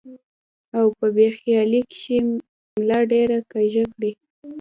او پۀ بې خيالۍ کښې ملا ډېره کږه کړي ـ